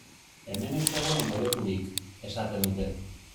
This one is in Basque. Hemen ez zegoen debekurik!, esaten dute.